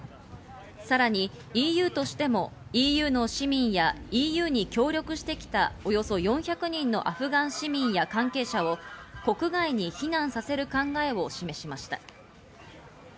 さらにＥＵとしてもＥＵの市民やＥＵに協力してきたおよそ４００人のアフガン市民や関係者を国外に避難させる考えを示しました。